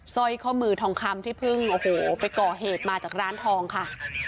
สร้อยข้อมือทองคำที่เพิ่งโอ้โหไปก่อเหตุมาจากร้านทองค่ะ